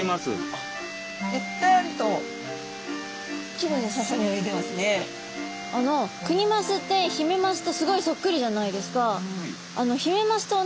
あのクニマスってヒメマスとすごいそっくりじゃないですか。